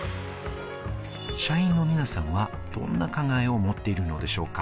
社員の皆さんはどんな考えを持っているのでしょうか？